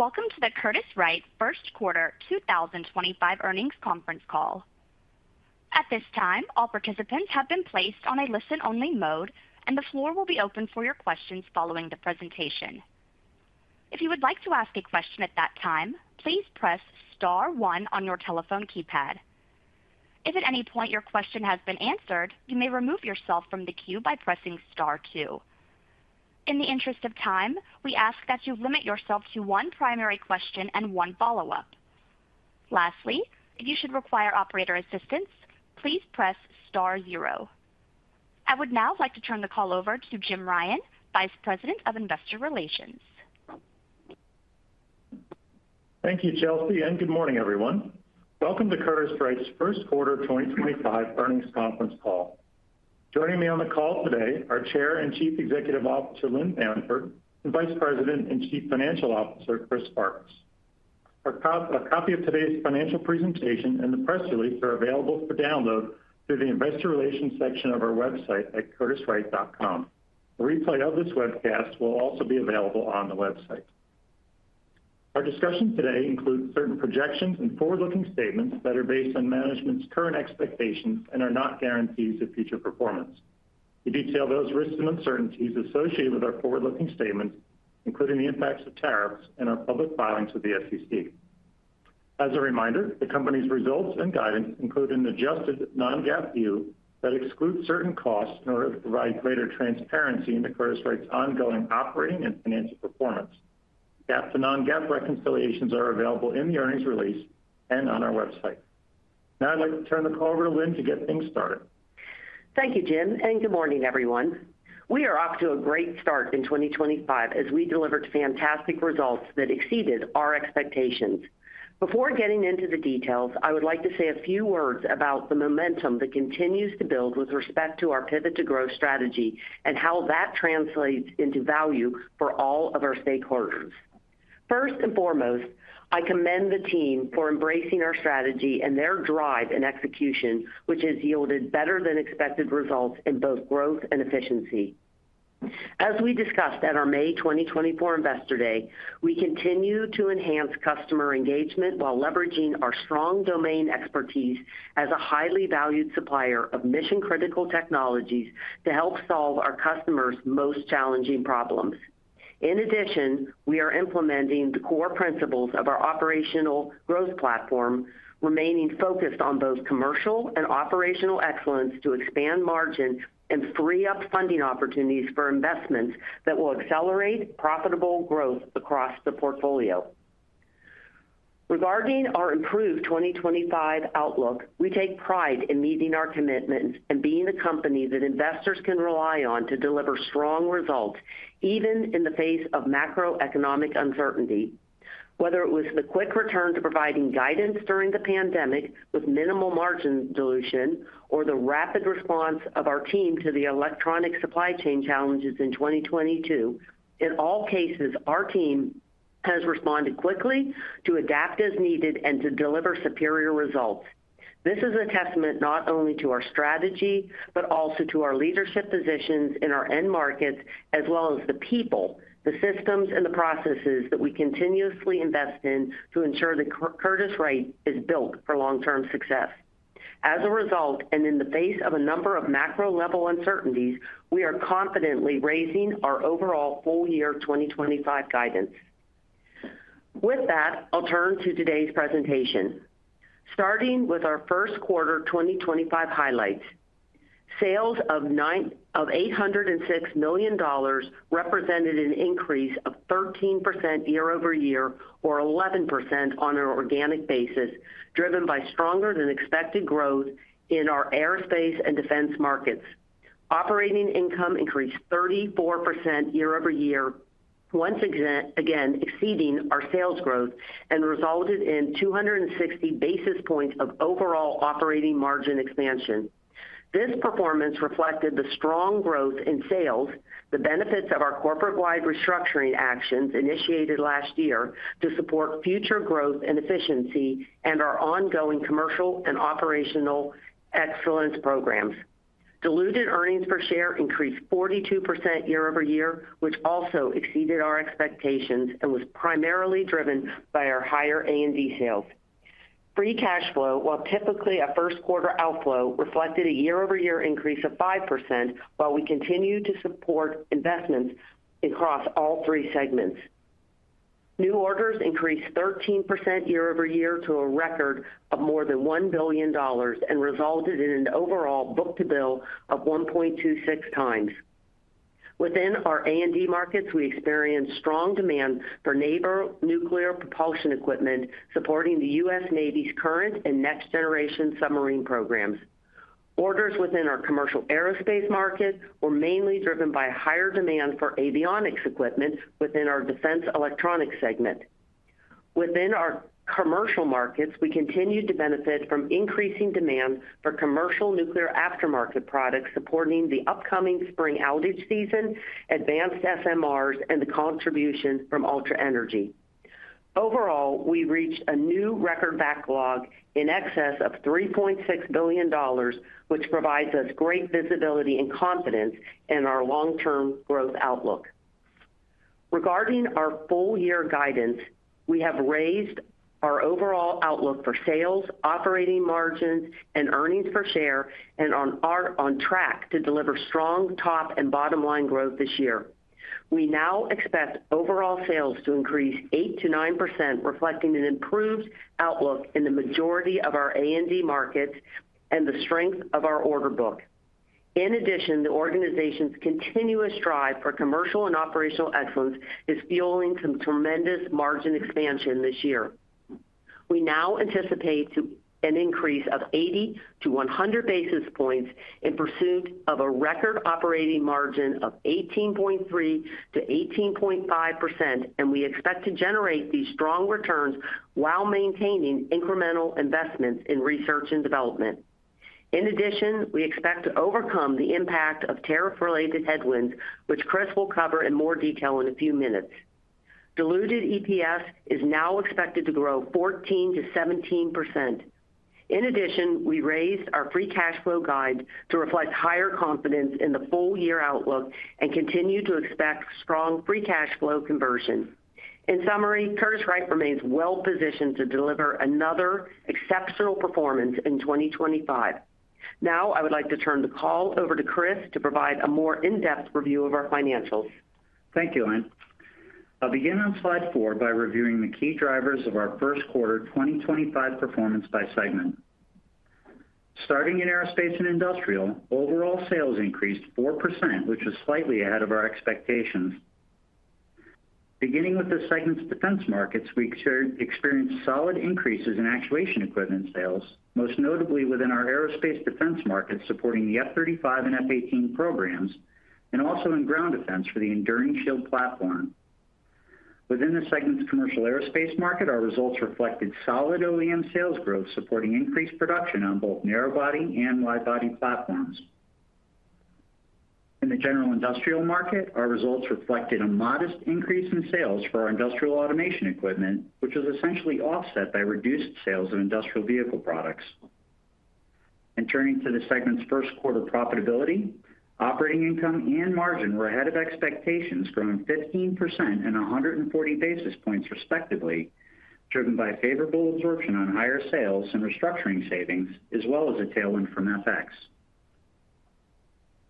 Welcome to the Curtiss-Wright First Quarter 2025 earnings conference call. At this time, all participants have been placed on a listen-only mode, and the floor will be open for your questions following the presentation. If you would like to ask a question at that time, please press star one on your telephone keypad. If at any point your question has been answered, you may remove yourself from the queue by pressing star two. In the interest of time, we ask that you limit yourself to one primary question and one follow-up. Lastly, if you should require operator assistance, please press star zero. I would now like to turn the call over to Jim Ryan, Vice President of Investor Relations. Thank you, Chelsea, and good morning, everyone. Welcome to Curtiss-Wright's First Quarter 2025 earnings conference call. Joining me on the call today are Chair and Chief Executive Officer Lynn Bamford and Vice President and Chief Financial Officer Chris Farkas. A copy of today's financial presentation and the press release are available for download through the Investor Relations section of our website at curtisswright.com. A replay of this webcast will also be available on the website. Our discussion today includes certain projections and forward-looking statements that are based on management's current expectations and are not guarantees of future performance. We detail those risks and uncertainties associated with our forward-looking statements, including the impacts of tariffs and our public filings with the SEC. As a reminder, the company's results and guidance include an adjusted non-GAAP view that excludes certain costs in order to provide greater transparency into Curtiss-Wright's ongoing operating and financial performance. GAAP to non-GAAP reconciliations are available in the earnings release and on our website. Now I'd like to turn the call over to Lynn to get things started. Thank you, Jim, and good morning, everyone. We are off to a great start in 2025 as we delivered fantastic results that exceeded our expectations. Before getting into the details, I would like to say a few words about the momentum that continues to build with respect to our pivot to growth strategy and how that translates into value for all of our stakeholders. First and foremost, I commend the team for embracing our strategy and their drive in execution, which has yielded better-than-expected results in both growth and efficiency. As we discussed at our May 2024 Investor Day, we continue to enhance customer engagement while leveraging our strong domain expertise as a highly valued supplier of mission-critical technologies to help solve our customers' most challenging problems. In addition, we are implementing the core principles of our Operational Growth Platform, remaining focused on both commercial and operational excellence to expand margins and free up funding opportunities for investments that will accelerate profitable growth across the portfolio. Regarding our improved 2025 outlook, we take pride in meeting our commitments and being the company that investors can rely on to deliver strong results even in the face of macroeconomic uncertainty. Whether it was the quick return to providing guidance during the pandemic with minimal margin dilution or the rapid response of our team to the electronic supply chain challenges in 2022, in all cases, our team has responded quickly to adapt as needed and to deliver superior results. This is a testament not only to our strategy but also to our leadership positions in our end markets, as well as the people, the systems, and the processes that we continuously invest in to ensure that Curtiss-Wright is built for long-term success. As a result, and in the face of a number of macro-level uncertainties, we are confidently raising our overall full-year 2025 guidance. With that, I'll turn to today's presentation. Starting with our first quarter 2025 highlights, sales of $806 million represented an increase of 13% year-over-year, or 11% on an organic basis, driven by stronger-than-expected growth in our aerospace and defense markets. Operating income increased 34% year-over-year, once again exceeding our sales growth, and resulted in 260 basis points of overall operating margin expansion. This performance reflected the strong growth in sales, the benefits of our corporate-wide restructuring actions initiated last year to support future growth and efficiency, and our ongoing commercial and operational excellence programs. Diluted earnings per share increased 42% year-over-year, which also exceeded our expectations and was primarily driven by our higher A&D sales. Free cash flow, while typically a first-quarter outflow, reflected a year-over-year increase of 5%, while we continue to support investments across all three segments. New orders increased 13% year-over-year to a record of more than $1 billion and resulted in an overall book-to-bill of 1.26 times. Within our A&D markets, we experienced strong demand for naval nuclear propulsion equipment supporting the U.S. Navy's current and next-generation submarine programs. Orders within our commercial aerospace market were mainly driven by higher demand for avionics equipment within our Defense Electronics segment. Within our commercial markets, we continued to benefit from increasing demand for commercial nuclear aftermarket products supporting the upcoming spring outage season, advanced SMRs, and the contribution from Ultra Energy. Overall, we reached a new record backlog in excess of $3.6 billion, which provides us great visibility and confidence in our long-term growth outlook. Regarding our full-year guidance, we have raised our overall outlook for sales, operating margins, and earnings per share, and are on track to deliver strong top and bottom-line growth this year. We now expect overall sales to increase 8%-9%, reflecting an improved outlook in the majority of our A&D markets and the strength of our order book. In addition, the organization's continuous drive for commercial and operational excellence is fueling some tremendous margin expansion this year. We now anticipate an increase of 80-100 basis points in pursuit of a record operating margin of 18.3%-18.5%, and we expect to generate these strong returns while maintaining incremental investments in research and development. In addition, we expect to overcome the impact of tariff-related headwinds, which Chris will cover in more detail in a few minutes. Diluted EPS is now expected to grow 14%-17%. In addition, we raised our free cash flow guide to reflect higher confidence in the full-year outlook and continue to expect strong free cash flow conversion. In summary, Curtiss-Wright remains well-positioned to deliver another exceptional performance in 2025. Now, I would like to turn the call over to Chris to provide a more in-depth review of our financials. Thank you, Lynn. I'll begin on slide four by reviewing the key drivers of our first quarter 2025 performance by segment. Starting in Aerospace and Industrial, overall sales increased 4%, which was slightly ahead of our expectations. Beginning with the segment's defense markets, we experienced solid increases in actuation equipment sales, most notably within our aerospace defense markets supporting the F-35 and F-18 programs, and also in ground defense for the Enduring Shield platform. Within the segment's commercial aerospace market, our results reflected solid OEM sales growth, supporting increased production on both narrow-body and wide-body platforms. In the general industrial market, our results reflected a modest increase in sales for our industrial automation equipment, which was essentially offset by reduced sales of industrial vehicle products. Turning to the segment's first quarter profitability, operating income and margin were ahead of expectations, growing 15% and 140 basis points respectively, driven by favorable absorption on higher sales and restructuring savings, as well as a tailwind from FX.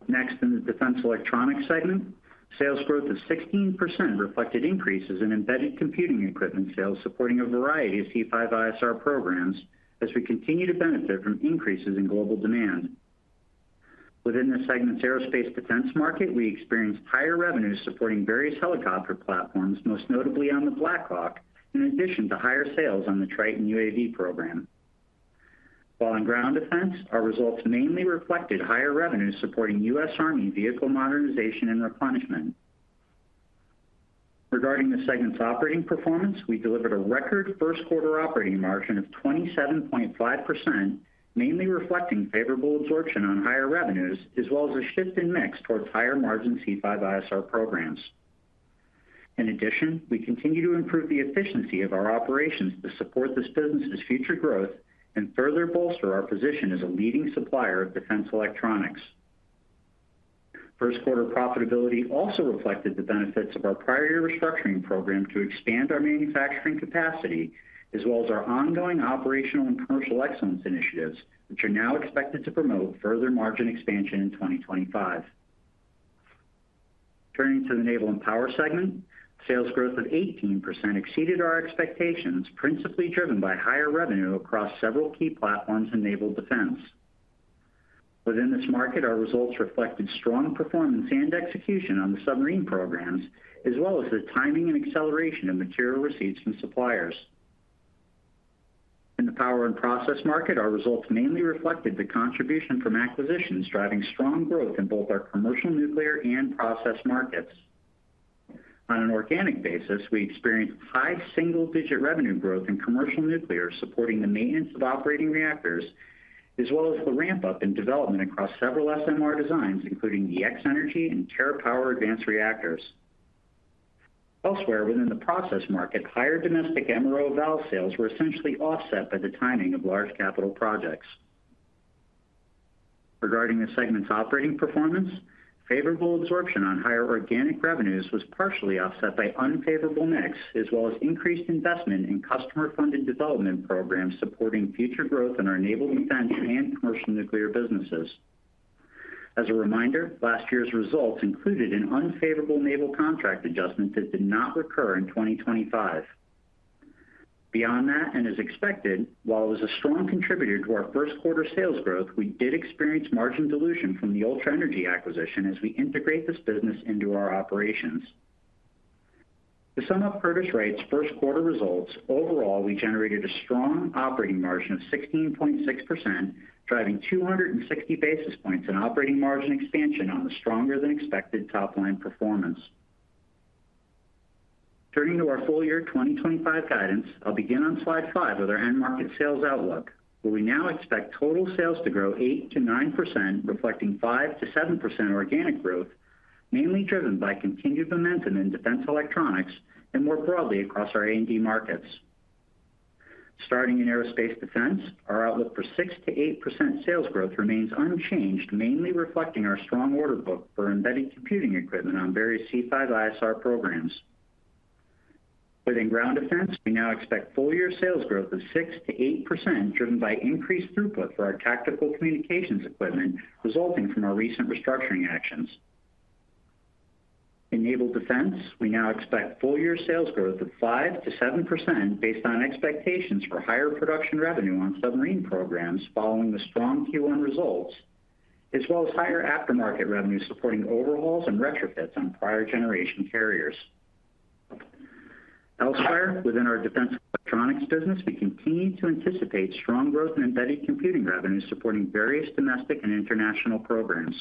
Next, in the Defense Electronics segment, sales growth of 16% reflected increases in embedded computing equipment sales supporting a variety of C5ISR programs as we continue to benefit from increases in global demand. Within the segment's aerospace defense market, we experienced higher revenues supporting various helicopter platforms, most notably on the Black Hawk, in addition to higher sales on the Triton UAV program. While in ground defense, our results mainly reflected higher revenues supporting U.S. Army vehicle modernization and replenishment. Regarding the segment's operating performance, we delivered a record first-quarter operating margin of 27.5%, mainly reflecting favorable absorption on higher revenues, as well as a shift in mix towards higher margin C5ISR programs. In addition, we continue to improve the efficiency of our operations to support this business's future growth and further bolster our position as a leading supplier of Defense Electronics. First-quarter profitability also reflected the benefits of our prior restructuring program to expand our manufacturing capacity, as well as our ongoing operational and Commercial Excellence initiatives, which are now expected to promote further margin expansion in 2025. Turning to the Naval and Power segment, sales growth of 18% exceeded our expectations, principally driven by higher revenue across several key platforms in naval defense. Within this market, our results reflected strong performance and execution on the submarine programs, as well as the timing and acceleration of material receipts from suppliers. In the power and process market, our results mainly reflected the contribution from acquisitions, driving strong growth in both our commercial nuclear and process markets. On an organic basis, we experienced high single-digit revenue growth in commercial nuclear supporting the maintenance of operating reactors, as well as the ramp-up in development across several SMR designs, including the X-energy and TerraPower Advanced Reactors. Elsewhere, within the process market, higher domestic MRO valve sales were essentially offset by the timing of large capital projects. Regarding the segment's operating performance, favorable absorption on higher organic revenues was partially offset by unfavorable mix, as well as increased investment in customer-funded development programs supporting future growth in our naval defense and commercial nuclear businesses. As a reminder, last year's results included an unfavorable naval contract adjustment that did not recur in 2025. Beyond that, and as expected, while it was a strong contributor to our first-quarter sales growth, we did experience margin dilution from the Ultra Energy acquisition as we integrate this business into our operations. To sum up Curtiss-Wright's first-quarter results, overall, we generated a strong operating margin of 16.6%, driving 260 basis points in operating margin expansion on the stronger-than-expected top-line performance. Turning to our full-year 2025 guidance, I'll begin on slide five with our end market sales outlook, where we now expect total sales to grow 8%-9%, reflecting 5%-7% organic growth, mainly driven by continued momentum in Defense Electronics and more broadly across our A&D markets. Starting in aerospace defense, our outlook for 6%-8% sales growth remains unchanged, mainly reflecting our strong order book for embedded computing equipment on various C5ISR programs. Within ground defense, we now expect full-year sales growth of 6%-8%, driven by increased throughput for our tactical communications equipment resulting from our recent restructuring actions. In naval defense, we now expect full-year sales growth of 5%-7% based on expectations for higher production revenue on submarine programs following the strong Q1 results, as well as higher aftermarket revenue supporting overhauls and retrofits on prior-generation carriers. Elsewhere, within our Defense Electronics business, we continue to anticipate strong growth in embedded computing revenue supporting various domestic and international programs.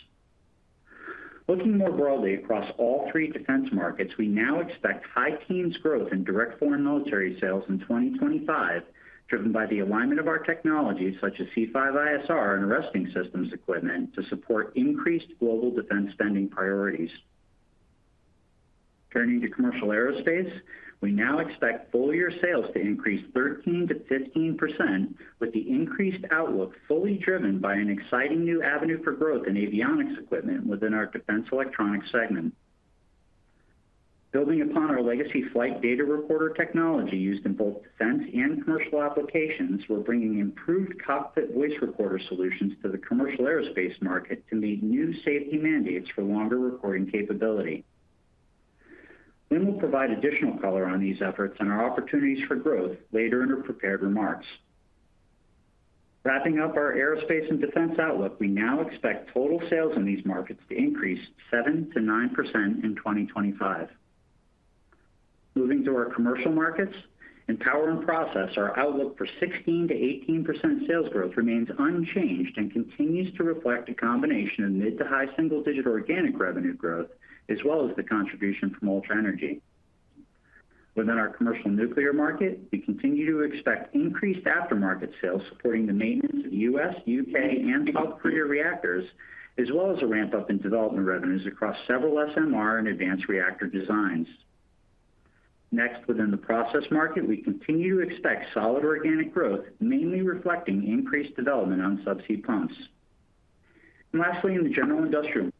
Looking more broadly across all three defense markets, we now expect high-teens growth in direct foreign military sales in 2025, driven by the alignment of our technologies such as C5ISR and arresting systems equipment to support increased global defense spending priorities. Turning to commercial aerospace, we now expect full-year sales to increase 13%-15%, with the increased outlook fully driven by an exciting new avenue for growth in avionics equipment within our defense electronics segment. Building upon our legacy flight data recorder technology used in both defense and commercial applications, we're bringing improved cockpit voice recorder solutions to the commercial aerospace market to meet new safety mandates for longer recording capability. Lynn will provide additional color on these efforts and our opportunities for growth later in her prepared remarks. Wrapping up our aerospace and defense outlook, we now expect total sales in these markets to increase 7%-9% in 2025. Moving to our commercial markets, in power and process, our outlook for 16%-18% sales growth remains unchanged and continues to reflect a combination of mid to high single-digit organic revenue growth, as well as the contribution from Ultra Energy. Within our commercial nuclear market, we continue to expect increased aftermarket sales supporting the maintenance of U.S., U.K., and South Korea reactors, as well as a ramp-up in development revenues across several SMR and advanced reactor designs. Next, within the process market, we continue to expect solid organic growth, mainly reflecting increased development on subsea pumps. Lastly, in the general industrial, we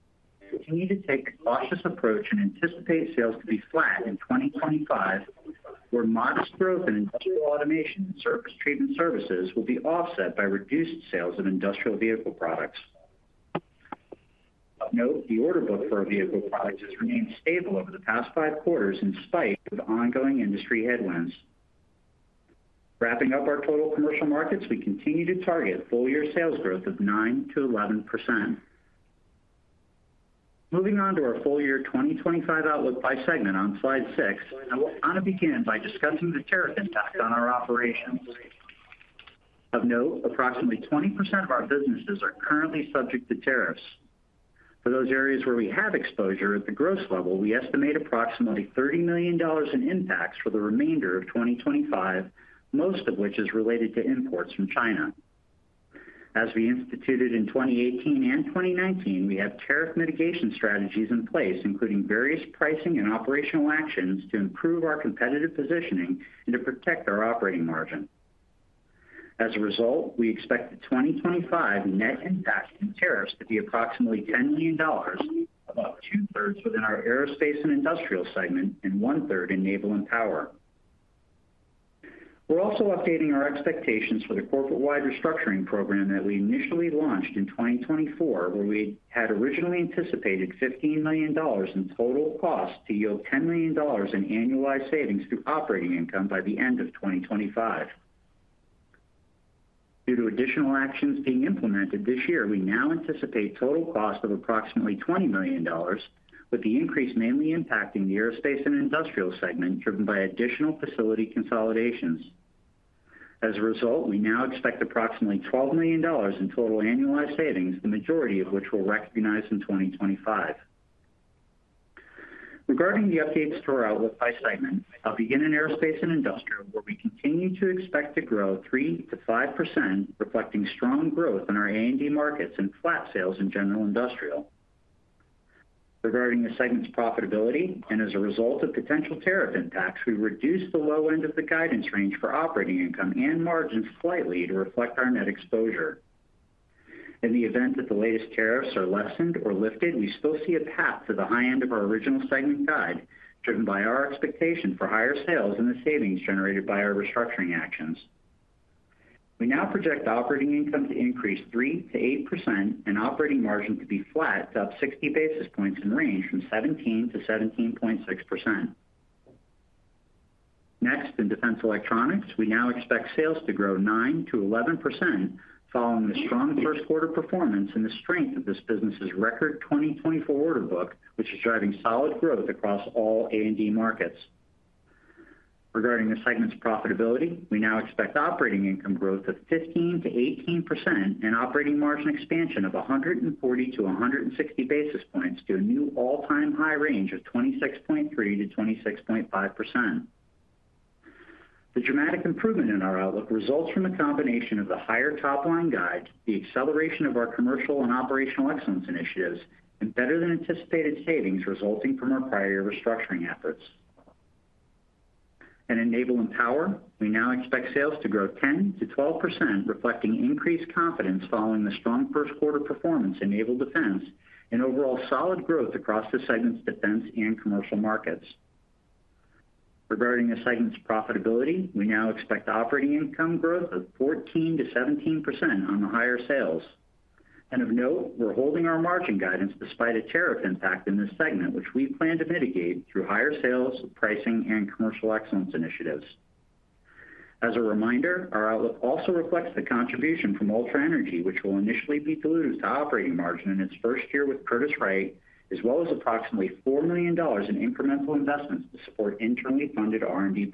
continue to take a cautious approach and anticipate sales to be flat in 2025, where modest growth in industrial automation and surface treatment services will be offset by reduced sales of industrial vehicle products. Of note, the order book for our vehicle products has remained stable over the past five quarters in spite of ongoing industry headwinds. Wrapping up our total commercial markets, we continue to target full-year sales growth of 9%-11%. Moving on to our full-year 2025 outlook by segment on slide six, I want to begin by discussing the tariff impact on our operations. Of note, approximately 20% of our businesses are currently subject to tariffs. For those areas where we have exposure at the gross level, we estimate approximately $30 million in impacts for the remainder of 2025, most of which is related to imports from China. As we instituted in 2018 and 2019, we have tariff mitigation strategies in place, including various pricing and operational actions to improve our competitive positioning and to protect our operating margin. As a result, we expect the 2025 net impact in tariffs to be approximately $10 million, about two-thirds within our Aerospace and Industrial segment and one-third in Naval and Power. We're also updating our expectations for the corporate-wide restructuring program that we initially launched in 2024, where we had originally anticipated $15 million in total cost to yield $10 million in annualized savings through operating income by the end of 2025. Due to additional actions being implemented this year, we now anticipate total cost of approximately $20 million, with the increase mainly impacting the Aerospace and Industrial segment driven by additional facility consolidations. As a result, we now expect approximately $12 million in total annualized savings, the majority of which will recognize in 2025. Regarding the updates to our outlook by segment, I'll begin in Aerospace and Industrial, where we continue to expect to grow 3%-5%, reflecting strong growth in our A&D markets and flat sales in general industrial. Regarding the segment's profitability, and as a result of potential tariff impacts, we reduced the low end of the guidance range for operating income and margins slightly to reflect our net exposure. In the event that the latest tariffs are lessened or lifted, we still see a path to the high end of our original segment guide, driven by our expectation for higher sales and the savings generated by our restructuring actions. We now project operating income to increase 3%-8% and operating margin to be flat to up 60 basis points in range from 17%-17.6%. Next, in Defense Electronics, we now expect sales to grow 9%-11%, following the strong first-quarter performance and the strength of this business's record 2024 order book, which is driving solid growth across all A&D markets. Regarding the segment's profitability, we now expect operating income growth of 15%-18% and operating margin expansion of 140% to 160 basis points to a new all-time high range of 26.3%-26.5%. The dramatic improvement in our outlook results from a combination of the higher top-line guide, the acceleration of our commercial and operational excellence initiatives, and better-than-anticipated savings resulting from our prior restructuring efforts. In Naval and Power, we now expect sales to grow 10%-12%, reflecting increased confidence following the strong first-quarter performance in naval defense and overall solid growth across the segment's defense and commercial markets. Regarding the segment's profitability, we now expect operating income growth of 14%-17% on the higher sales. Of note, we're holding our margin guidance despite a tariff impact in this segment, which we plan to mitigate through higher sales, pricing, and Commercial Excellence initiatives. As a reminder, our outlook also reflects the contribution from Ultra Energy, which will initially be diluted to operating margin in its first year with Curtiss-Wright, as well as approximately $4 million in incremental investments to support internally funded R&D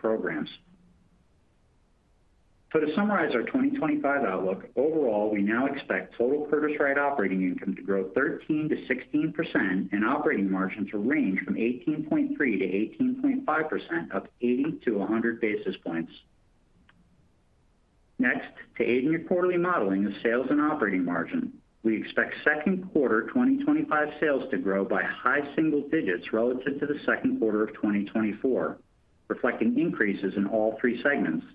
programs. To summarize our 2025 outlook, overall, we now expect total Curtiss-Wright operating income to grow 13%-16% and operating margin to range from 18.3%-18.5%, up 80-100 basis points. Next, to aid in your quarterly modeling of sales and operating margin, we expect second-quarter 2025 sales to grow by high single digits relative to the second quarter of 2024, reflecting increases in all three segments,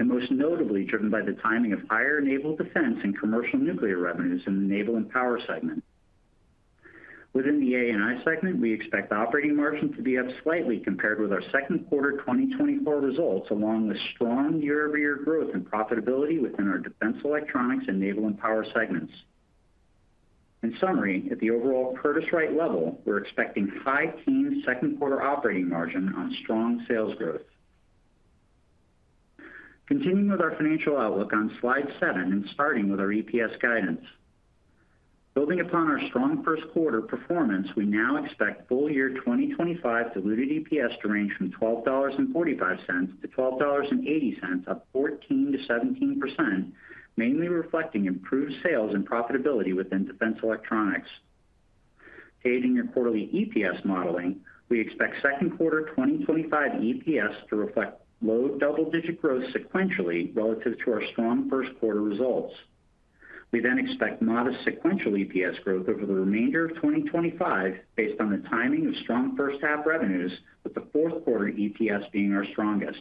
and most notably driven by the timing of higher naval defense and commercial nuclear revenues in the Naval and Power segment. Within the A&I segment, we expect operating margin to be up slightly compared with our second-quarter 2024 results, along with strong year-over-year growth and profitability within our Defense Electronics and Naval and Power segments. In summary, at the overall Curtiss-Wright level, we're expecting high teens second-quarter operating margin on strong sales growth. Continuing with our financial outlook on slide seven and starting with our EPS guidance. Building upon our strong first-quarter performance, we now expect full-year 2025 diluted EPS to range from $12.45-$12.80, up 14%-17%, mainly reflecting improved sales and profitability within Defense Electronics. Aiding your quarterly EPS modeling, we expect second-quarter 2025 EPS to reflect low double-digit growth sequentially relative to our strong first-quarter results. We then expect modest sequential EPS growth over the remainder of 2025 based on the timing of strong first-half revenues, with the fourth-quarter EPS being our strongest.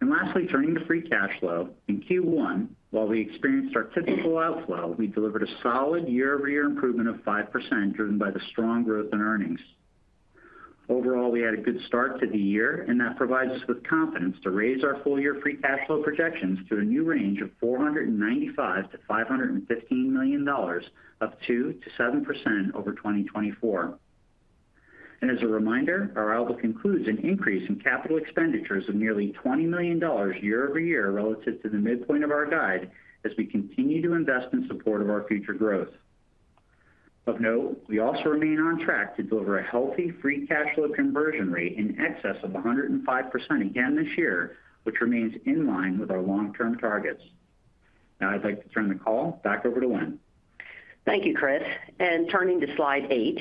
And lastly, turning to free cash flow, in Q1, while we experienced our typical outflow, we delivered a solid year-over-year improvement of 5% driven by the strong growth in earnings. Overall, we had a good start to the year, and that provides us with confidence to raise our full-year free cash flow projections to a new range of $495 million-$515 million, up 2% to 7% over 2024. And as a reminder, our outlook includes an increase in capital expenditures of nearly $20 million year-over-year relative to the midpoint of our guide as we continue to invest in support of our future growth. Of note, we also remain on track to deliver a healthy free cash flow conversion rate in excess of 105% again this year, which remains in line with our long-term targets. Now, I'd like to turn the call back over to Lynn. Thank you, Chris. And turning to slide eight,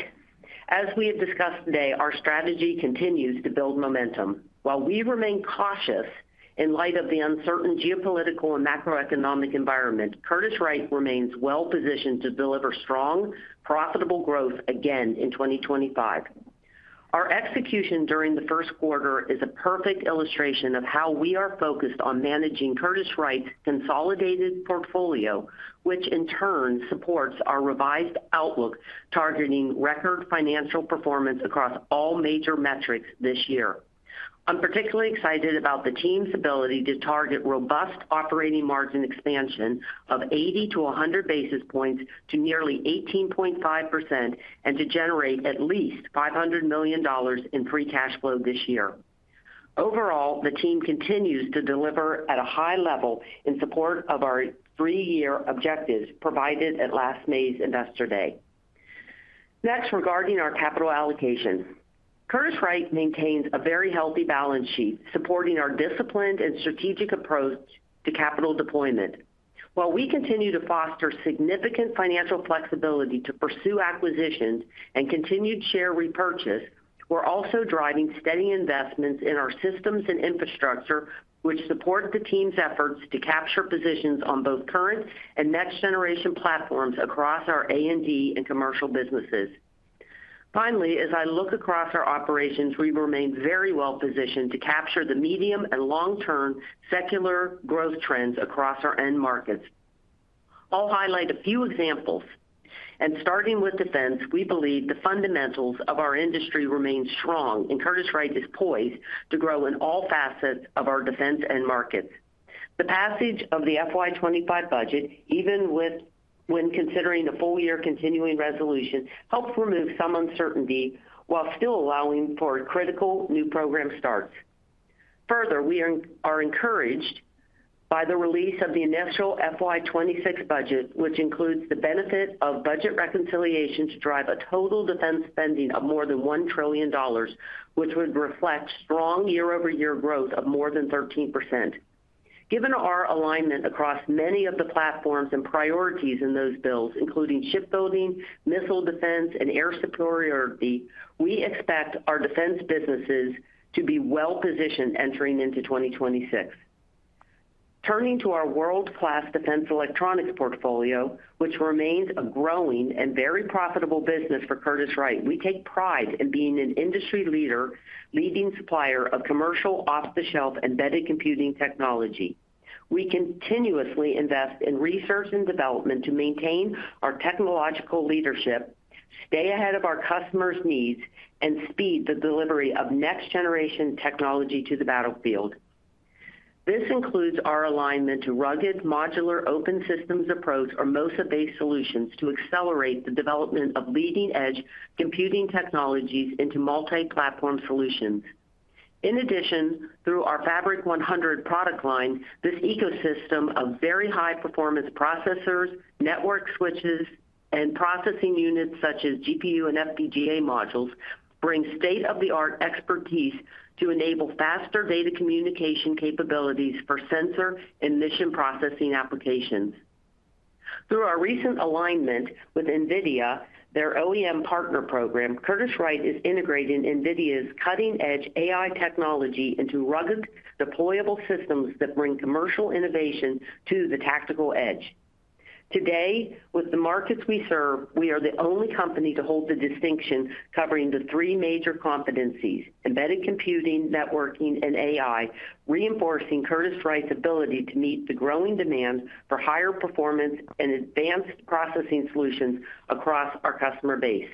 as we have discussed today, our strategy continues to build momentum. While we remain cautious in light of the uncertain geopolitical and macroeconomic environment, Curtiss-Wright remains well-positioned to deliver strong, profitable growth again in 2025. Our execution during the first quarter is a perfect illustration of how we are focused on managing Curtiss-Wright's consolidated portfolio, which in turn supports our revised outlook targeting record financial performance across all major metrics this year. I'm particularly excited about the team's ability to target robust operating margin expansion of 80 to 100 basis points to nearly 18.5% and to generate at least $500 million in free cash flow this year. Overall, the team continues to deliver at a high level in support of our three-year objectives provided at last May's investor day. Next, regarding our capital allocation, Curtiss-Wright maintains a very healthy balance sheet supporting our disciplined and strategic approach to capital deployment. While we continue to foster significant financial flexibility to pursue acquisitions and continued share repurchase, we're also driving steady investments in our systems and infrastructure, which supports the team's efforts to capture positions on both current and next-generation platforms across our A&D and commercial businesses. Finally, as I look across our operations, we remain very well-positioned to capture the medium and long-term secular growth trends across our end markets. I'll highlight a few examples, and starting with defense, we believe the fundamentals of our industry remain strong, and Curtiss-Wright is poised to grow in all facets of our defense end markets. The passage of the FY25 budget, even when considering a full-year continuing resolution, helps remove some uncertainty while still allowing for critical new program starts. Further, we are encouraged by the release of the initial FY26 budget, which includes the benefit of budget reconciliation to drive a total defense spending of more than $1 trillion, which would reflect strong year-over-year growth of more than 13%. Given our alignment across many of the platforms and priorities in those bills, including shipbuilding, missile defense, and air superiority, we expect our defense businesses to be well-positioned entering into 2026. Turning to our world-class Defense Electronics portfolio, which remains a growing and very profitable business for Curtiss-Wright, we take pride in being an industry-leading supplier of commercial off-the-shelf embedded computing technology. We continuously invest in research and development to maintain our technological leadership, stay ahead of our customers' needs, and speed the delivery of next-generation technology to the battlefield. This includes our alignment to rugged, modular, open systems approach or MOSA-based solutions to accelerate the development of leading-edge computing technologies into multi-platform solutions. In addition, through our Fabric100 product line, this ecosystem of very high-performance processors, network switches, and processing units such as GPU and FPGA modules brings state-of-the-art expertise to enable faster data communication capabilities for sensor and mission processing applications. Through our recent alignment with NVIDIA, their OEM partner program, Curtiss-Wright is integrating NVIDIA's cutting-edge AI technology into rugged, deployable systems that bring commercial innovation to the tactical edge. Today, with the markets we serve, we are the only company to hold the distinction covering the three major competencies: embedded computing, networking, and AI, reinforcing Curtiss-Wright's ability to meet the growing demand for higher performance and advanced processing solutions across our customer base.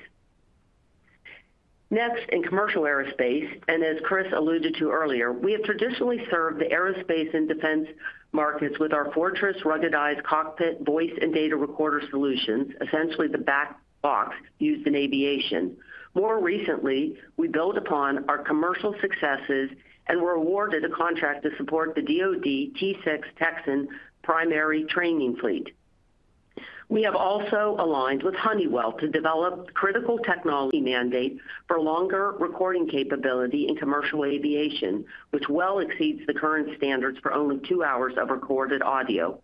Next, in commercial aerospace, and as Chris alluded to earlier, we have traditionally served the aerospace and defense markets with our Fortress, ruggedized cockpit voice and data recorder solutions, essentially the black box used in aviation. More recently, we build upon our commercial successes and were awarded a contract to support the DOD T-6 Texan primary training fleet. We have also aligned with Honeywell to develop critical technology mandates for longer recording capability in commercial aviation, which well exceeds the current standards for only two hours of recorded audio.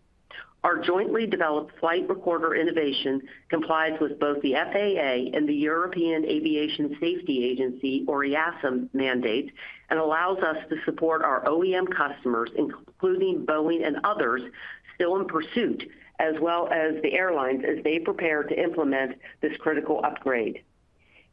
Our jointly developed flight recorder innovation complies with both the FAA and the European Aviation Safety Agency, or EASA, mandates and allows us to support our OEM customers, including Boeing and others still in pursuit, as well as the airlines as they prepare to implement this critical upgrade.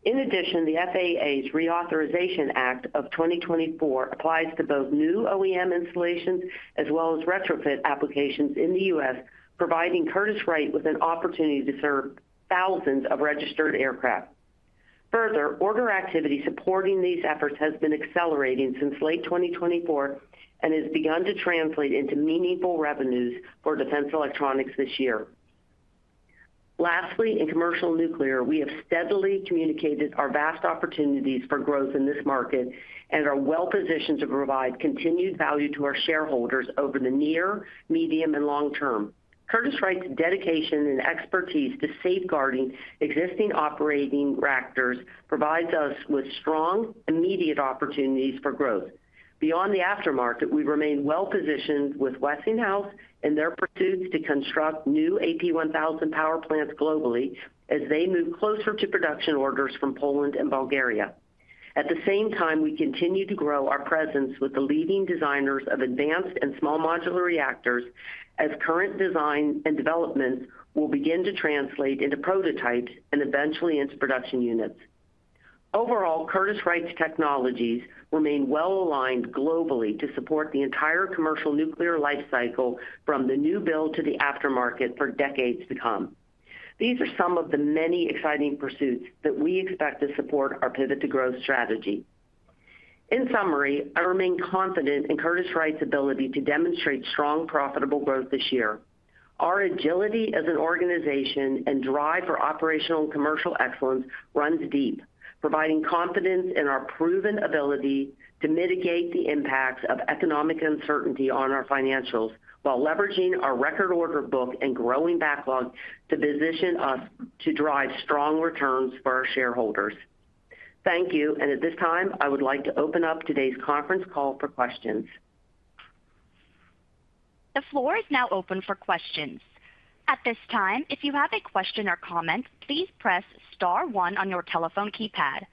In addition, the FAA's Reauthorization Act of 2024 applies to both new OEM installations as well as retrofit applications in the U.S., providing Curtiss-Wright with an opportunity to serve thousands of registered aircraft. Further, order activity supporting these efforts has been accelerating since late 2024 and has begun to translate into meaningful revenues for Defense Electronics this year. Lastly, in commercial nuclear, we have steadily communicated our vast opportunities for growth in this market and are well-positioned to provide continued value to our shareholders over the near, medium, and long term. Curtiss-Wright's dedication and expertise to safeguarding existing operating reactors provides us with strong, immediate opportunities for growth. Beyond the aftermarket, we remain well-positioned with Westinghouse and their pursuits to construct new AP1000 power plants globally as they move closer to production orders from Poland and Bulgaria. At the same time, we continue to grow our presence with the leading designers of advanced and small modular reactors as current design and developments will begin to translate into prototypes and eventually into production units. Overall, Curtiss-Wright's technologies remain well-aligned globally to support the entire commercial nuclear lifecycle from the new build to the aftermarket for decades to come. These are some of the many exciting pursuits that we expect to support our pivot to growth strategy. In summary, I remain confident in Curtiss-Wright's ability to demonstrate strong, profitable growth this year. Our agility as an organization and drive for operational and Commercial Excellence runs deep, providing confidence in our proven ability to mitigate the impacts of economic uncertainty on our financials while leveraging our record order book and growing backlog to position us to drive strong returns for our shareholders. Thank you. At this time, I would like to open up today's conference call for questions. The floor is now open for questions. At this time, if you have a question or comment, please press Star 1 on your telephone keypad.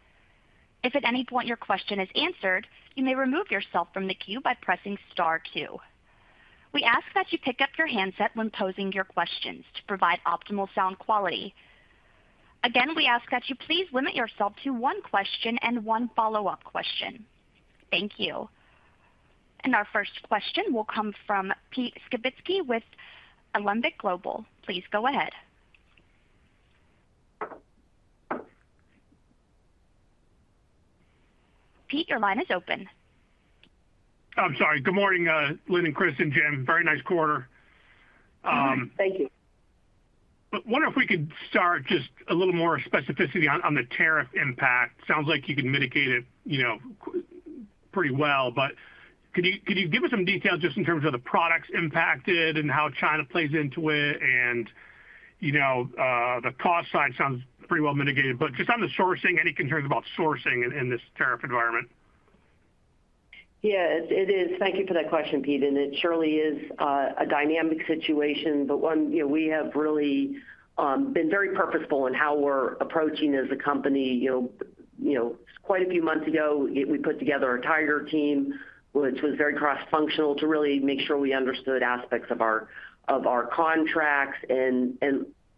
If at any point your question is answered, you may remove yourself from the queue by pressing Star 2. We ask that you pick up your handset when posing your questions to provide optimal sound quality. Again, we ask that you please limit yourself to one question and one follow-up question. Thank you. And our first question will come from Peter Skibitski with Alembic Global. Please go ahead. Peter, your line is open. I'm sorry. Good morning, Lynn, and Chris, and Jim. Very nice quarter. Thank you. But wonder if we could start just a little more specificity on the tariff impact. Sounds like you can mitigate it pretty well. But could you give us some details just in terms of the products impacted and how China plays into it? And the cost side sounds pretty well mitigated. But just on the sourcing, any concerns about sourcing in this tariff environment? Yes, it is. Thank you for that question, Pete. And it surely is a dynamic situation. But we have really been very purposeful in how we're approaching as a company. Quite a few months ago, we put together a tiger team, which was very cross-functional to really make sure we understood aspects of our contracts and,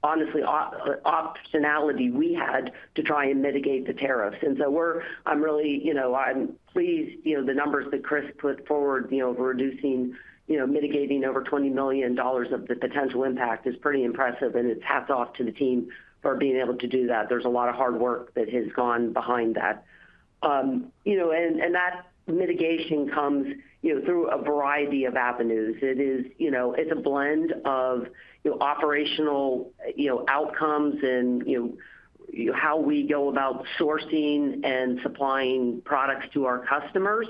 honestly, optionality we had to try and mitigate the tariffs. And so I'm really pleased. The numbers that Chris put forward of mitigating over $20 million of the potential impact is pretty impressive. And it's hats off to the team for being able to do that. There's a lot of hard work that has gone behind that, and that mitigation comes through a variety of avenues. It's a blend of operational outcomes and how we go about sourcing and supplying products to our customers.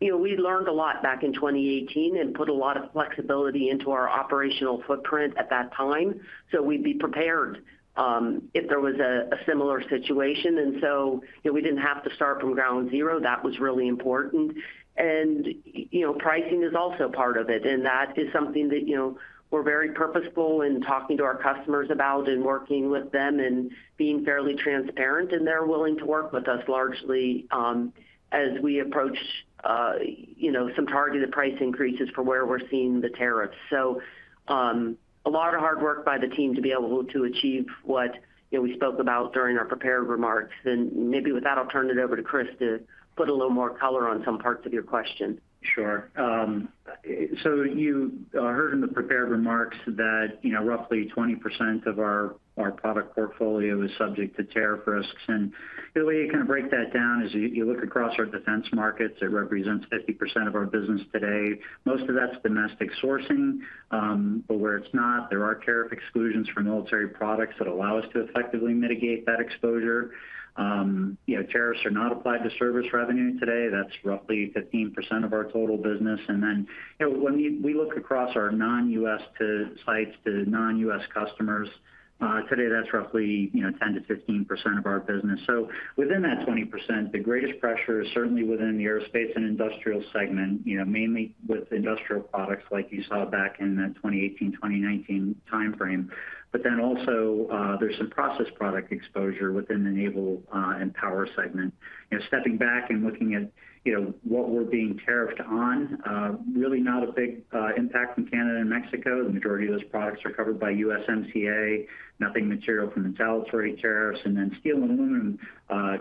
We learned a lot back in 2018 and put a lot of flexibility into our operational footprint at that time, so we'd be prepared if there was a similar situation, and so we didn't have to start from ground zero. That was really important, and pricing is also part of it, and that is something that we're very purposeful in talking to our customers about and working with them and being fairly transparent, and they're willing to work with us largely as we approach some targeted price increases for where we're seeing the tariffs. So a lot of hard work by the team to be able to achieve what we spoke about during our prepared remarks. And maybe with that, I'll turn it over to Chris to put a little more color on some parts of your question. Sure. So you heard in the prepared remarks that roughly 20% of our product portfolio is subject to tariff risks. And the way you kind of break that down is you look across our defense markets. It represents 50% of our business today. Most of that's domestic sourcing. But where it's not, there are tariff exclusions for military products that allow us to effectively mitigate that exposure. Tariffs are not applied to service revenue today. That's roughly 15% of our total business. And then when we look across our non-U.S. sites to non-U.S. customers, today that's roughly 10%-15% of our business. So within that 20%, the greatest pressure is certainly within the Aerospace and Industrial segment, mainly with industrial products like you saw back in that 2018, 2019 timeframe. But then also there's some processed product exposure within the Naval and Power segment. Stepping back and looking at what we're being tariffed on, really not a big impact in Canada and Mexico. The majority of those products are covered by USMCA, nothing material from existing tariffs. And then steel and aluminum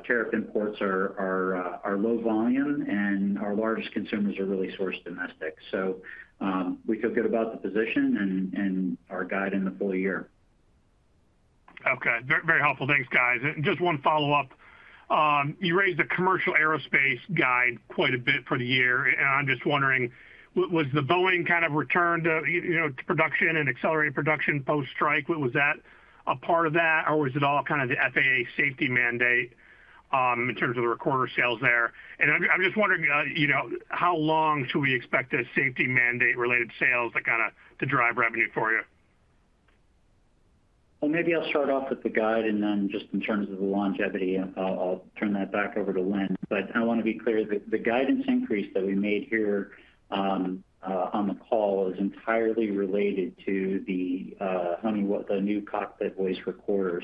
tariff imports are low volume, and our largest components are really sourced domestic. So we feel good about the position and our guide in the full year. Okay. Very helpful. Thanks, guys. And just one follow-up. You raised the commercial aerospace guide quite a bit for the year. And I'm just wondering, was the Boeing kind of return to production and accelerate production post-strike? Was that a part of that, or was it all kind of the FAA safety mandate in terms of the recorder sales there? And I'm just wondering, how long should we expect the safety mandate-related sales to kind of drive revenue for you? Well, maybe I'll start off with the guide, and then just in terms of the longevity, I'll turn that back over to Lynn. But I want to be clear that the guidance increase that we made here on the call is entirely related to the new cockpit voice recorders.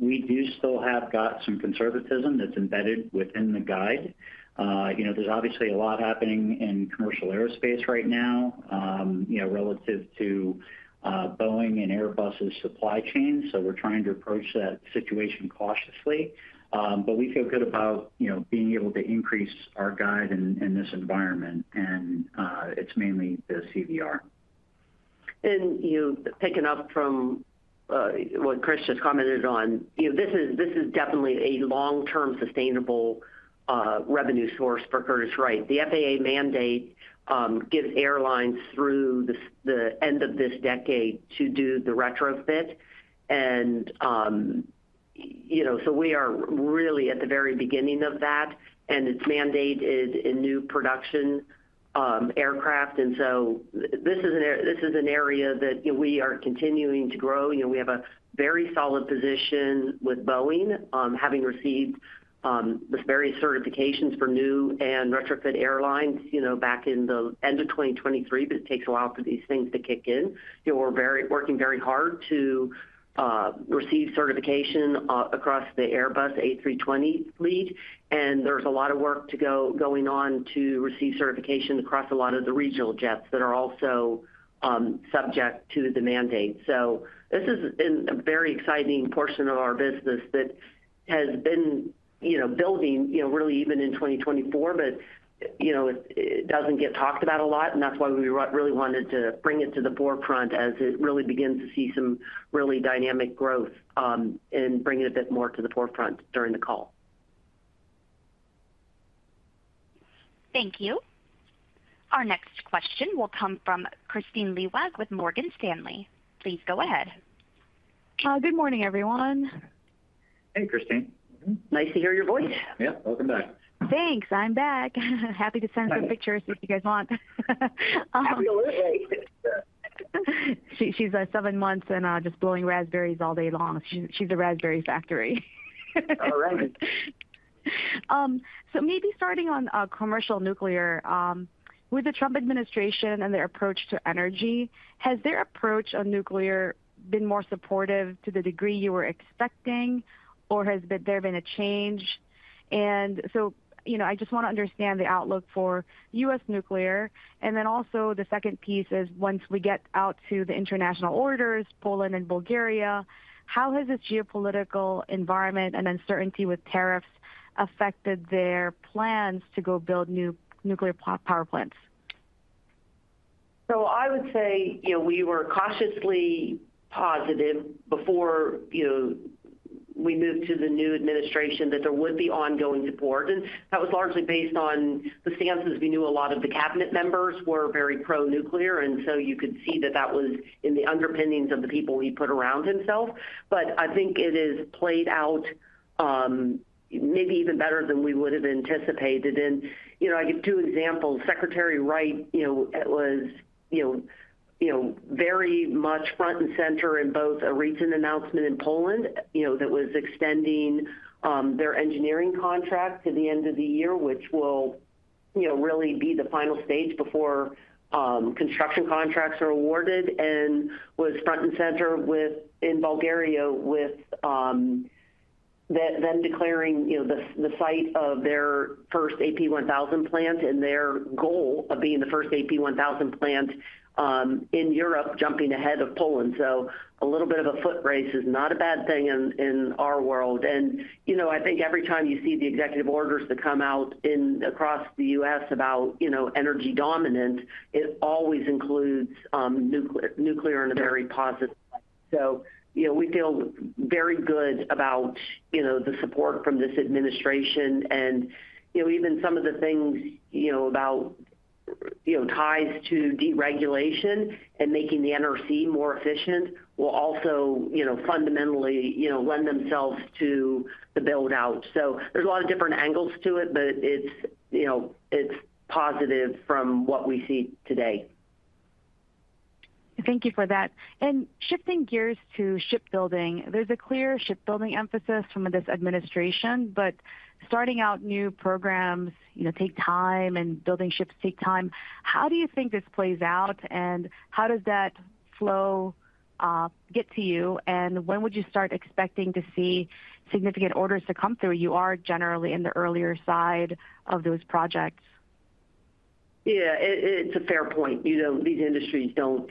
We do still have got some conservatism that's embedded within the guide. There's obviously a lot happening in commercial aerospace right now relative to Boeing and Airbus's supply chain. So we're trying to approach that situation cautiously. But we feel good about being able to increase our guide in this environment. And it's mainly the CVR. And picking up from what Chris just commented on, this is definitely a long-term sustainable revenue source for Curtiss-Wright. The FAA mandate gives airlines through the end of this decade to do the retrofit. And so we are really at the very beginning of that. And it's mandated in new production aircraft. And so this is an area that we are continuing to grow. We have a very solid position with Boeing, having received the various certifications for new and retrofit airlines back in the end of 2023. But it takes a while for these things to kick in. We're working very hard to receive certification across the Airbus A320 fleet. And there's a lot of work going on to receive certification across a lot of the regional jets that are also subject to the mandate. This is a very exciting portion of our business that has been building really even in 2024, but it doesn't get talked about a lot. And that's why we really wanted to bring it to the forefront as it really begins to see some really dynamic growth and bring it a bit more to the forefront during the call. Thank you. Our next question will come from Kristine Liwag with Morgan Stanley. Please go ahead. Good morning, everyone. Hey, Kristine. Nice to hear your voice. Yeah. Welcome back. Thanks. I'm back. Happy to send some pictures if you guys want. Absolutely. She's seven months and just blowing raspberries all day long. She's a raspberry factory. All right. So, maybe starting on commercial nuclear, with the Trump administration and their approach to energy, has their approach on nuclear been more supportive to the degree you were expecting, or has there been a change? And so I just want to understand the outlook for U.S. nuclear. And then also the second piece is once we get out to the international orders, Poland and Bulgaria, how has this geopolitical environment and uncertainty with tariffs affected their plans to go build new nuclear power plants? So I would say we were cautiously positive before we moved to the new administration that there would be ongoing support. And that was largely based on the stances. We knew a lot of the cabinet members were very pro-nuclear. And so you could see that that was in the underpinnings of the people he put around himself. But I think it has played out maybe even better than we would have anticipated. And I give two examples. Secretary Wright was very much front and center in both a recent announcement in Poland that was extending their engineering contract to the end of the year, which will really be the final stage before construction contracts are awarded, and was front and center in Bulgaria with them declaring the site of their first AP1000 plant and their goal of being the first AP1000 plant in Europe jumping ahead of Poland. So a little bit of a foot race is not a bad thing in our world. And I think every time you see the executive orders that come out across the U.S. about energy dominance, it always includes nuclear in a very positive way. So we feel very good about the support from this administration. And even some of the things about ties to deregulation and making the NRC more efficient will also fundamentally lend themselves to the build-out. So there's a lot of different angles to it, but it's positive from what we see today. Thank you for that. And shifting gears to shipbuilding, there's a clear shipbuilding emphasis from this administration. But starting out new programs take time and building ships take time. How do you think this plays out? And how does that flow get to you? And when would you start expecting to see significant orders to come through? You are generally in the earlier side of those projects. Yeah. It's a fair point. These industries don't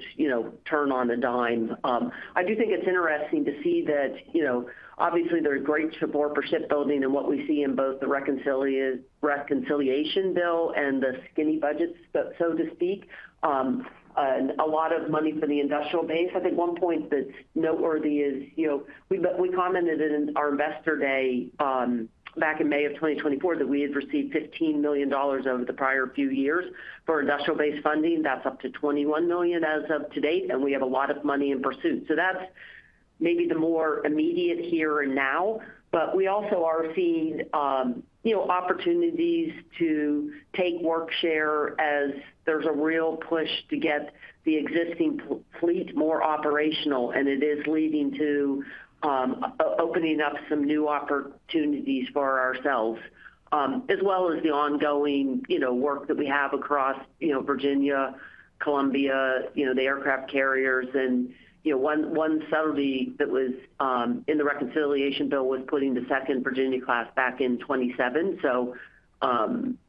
turn on a dime. I do think it's interesting to see that obviously there's great support for shipbuilding and what we see in both the reconciliation bill and the skinny budgets, so to speak. A lot of money for the industrial base. I think one point that's noteworthy is we commented in our investor day back in May of 2024 that we had received $15 million over the prior few years for industrial based funding. That's up to $21 million as of today, and we have a lot of money in pursuit, so that's maybe the more immediate here and now, but we also are seeing opportunities to take work share as there's a real push to get the existing fleet more operational, and it is leading to opening up some new opportunities for ourselves, as well as the ongoing work that we have across Virginia, Columbia, the aircraft carriers, and one subtlety that was in the reconciliation bill was putting the second Virginia Class back in 2027, so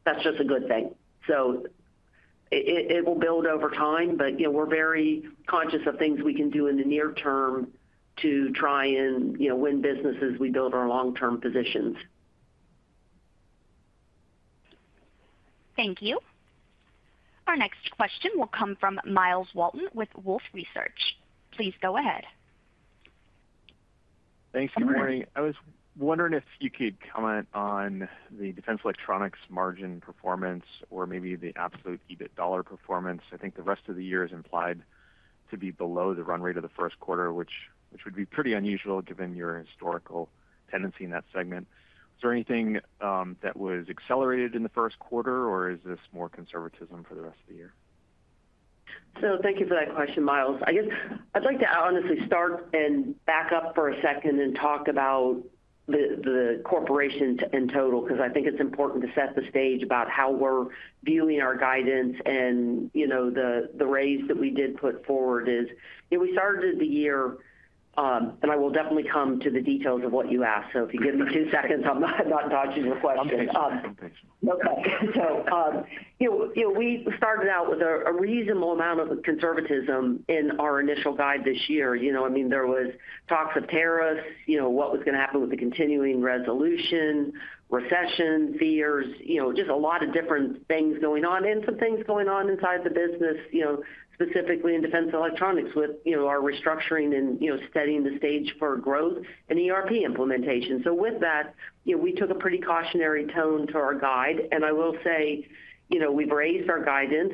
that's just a good thing, so it will build over time. But we're very conscious of things we can do in the near term to try and win business as we build our long-term positions. Thank you. Our next question will come from Myles Walton with Wolfe Research. Please go ahead. Thanks for joining. Good morning. I was wondering if you could comment on the Defense Electronics margin performance or maybe the absolute EBIT dollar performance. I think the rest of the year is implied to be below the run rate of the first quarter, which would be pretty unusual given your historical tendency in that segment. Is there anything that was accelerated in the first quarter, or is this more conservatism for the rest of the year? So thank you for that question, Myles. I guess I'd like to honestly start and back up for a second and talk about the Corporation in total because I think it's important to set the stage about how we're viewing our guidance. And the raise that we did put forward is we started the year, and I will definitely come to the details of what you asked. So if you give me two seconds, I'm not dodging your question. Okay. So we started out with a reasonable amount of conservatism in our initial guide this year. I mean, there was talks of tariffs, what was going to happen with the Continuing Resolution, recession fears, just a lot of different things going on, and some things going on inside the business, specifically in Defense Electronics with our restructuring and setting the stage for growth and ERP implementation. So with that, we took a pretty cautionary tone to our guidance. And I will say we've raised our guidance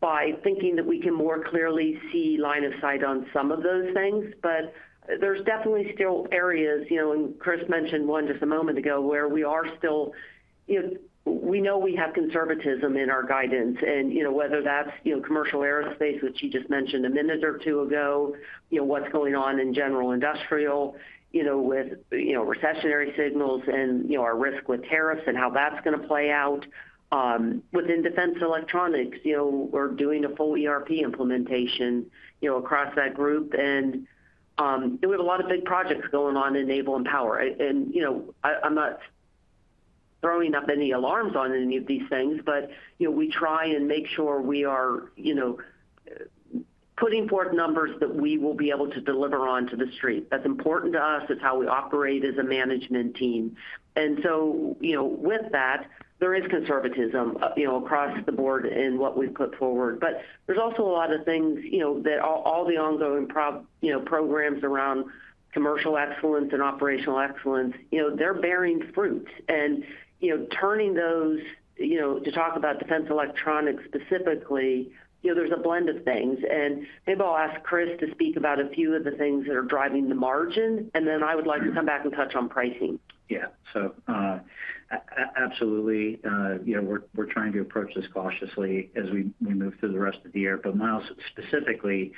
by thinking that we can more clearly see line of sight on some of those things. But there's definitely still areas, and Chris mentioned one just a moment ago, where we are still, we know, we have conservatism in our guidance. And whether that's commercial aerospace, which you just mentioned a minute or two ago, what's going on in general industrial with recessionary signals and our risk with tariffs and how that's going to play out. Within Defense Electronics, we're doing a full ERP implementation across that group. And we have a lot of big projects going on in Naval and Power. I'm not throwing up any alarms on any of these things, but we try and make sure we are putting forth numbers that we will be able to deliver on to the street. That's important to us. It's how we operate as a management team. So with that, there is conservatism across the board in what we've put forward. But there's also a lot of things that all the ongoing programs around Commercial Excellence and operational excellence. They're bearing fruit. Turning those to talk about Defense Electronics specifically, there's a blend of things. Maybe I'll ask Chris to speak about a few of the things that are driving the margin. Then I would like to come back and touch on pricing. Yeah. So absolutely. We're trying to approach this cautiously as we move through the rest of the year. But Myles, specifically,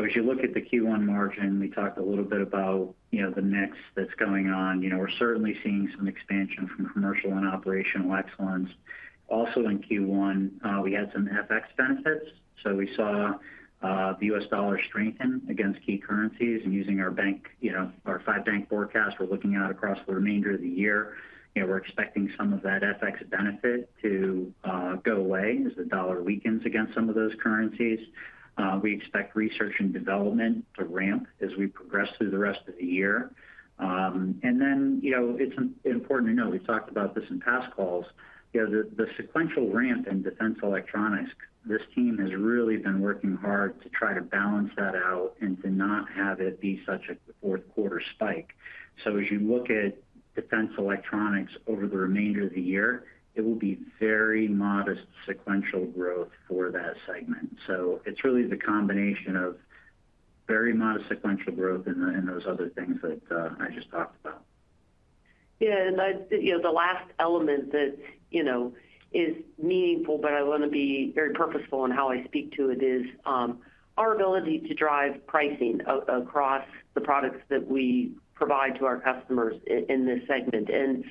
as you look at the Q1 margin, we talked a little bit about the mix that's going on. We're certainly seeing some expansion from commercial and operational excellence. Also in Q1, we had some FX benefits. So we saw the U.S. dollar strengthen against key currencies. And using our five-bank forecast, we're looking out across the remainder of the year. We're expecting some of that FX benefit to go away as the dollar weakens against some of those currencies. We expect research and development to ramp as we progress through the rest of the year. And then it's important to know we've talked about this in past calls. The sequential ramp in Defense Electronics, this team has really been working hard to try to balance that out and to not have it be such a fourth-quarter spike. So as you look at Defense Electronics over the remainder of the year, it will be very modest sequential growth for that segment. So it's really the combination of very modest sequential growth and those other things that I just talked about. Yeah. And the last element that is meaningful, but I want to be very purposeful in how I speak to it, is our ability to drive pricing across the products that we provide to our customers in this segment. And